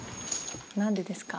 何でですか？